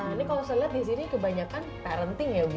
ini kalau saya lihat di sini kebanyakan parenting ya ibu